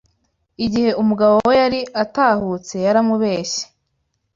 Igihe umugabo we yari atahutse, yaramubeshye